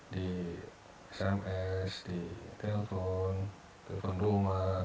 di sma di telepon telepon rumah